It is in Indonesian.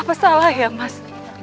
apa salah ya mas